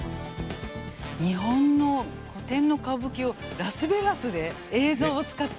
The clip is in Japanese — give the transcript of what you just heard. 日本の古典の歌舞伎をラスベガスで映像を使って。